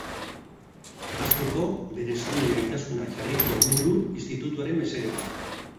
Hasteko, bere sormen gaitasuna jarriko omen du institutuaren mesedetan.